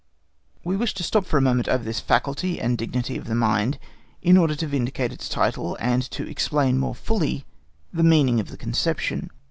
We wish to stop for a moment over this faculty and dignity of the mind, in order to vindicate its title, and to explain more fully the meaning of the conception.